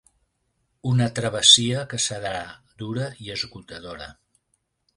Una travessia que serà dura i esgotadora.